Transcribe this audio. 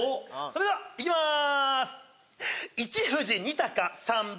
それではいきまーす